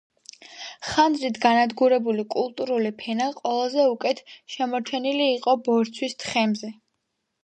ხანძრით განადგურებული კულტურული ფენა ყველაზე უკეთ შემორჩენილი იყო ბორცვის თხემზე.